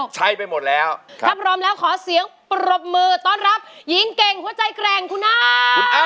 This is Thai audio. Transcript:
ใช้ไปหมดแล้วถ้าพร้อมแล้วขอเสียงปรบมือต้อนรับหญิงเก่งหัวใจแกร่งคุณอา